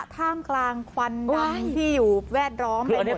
ท่ามกลางควันน้ำที่อยู่แวดล้อม